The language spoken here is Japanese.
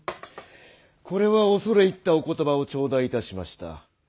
これは恐れ入ったお言葉を頂戴いたしました。